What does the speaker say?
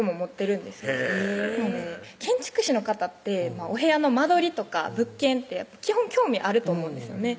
なんで建築士の方ってお部屋の間取りとか物件って基本興味あると思うんですよね